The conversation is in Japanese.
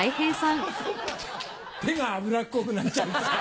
手が油っこくなっちゃうしさ。